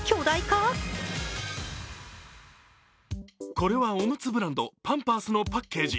これは、おむつブランド・パンパースのパッケージ。